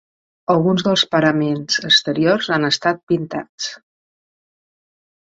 Alguns dels paraments exteriors han estat pintats.